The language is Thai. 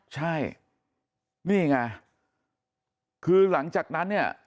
ใช่นี่ไงคือหลังจากนั้นเนี่ย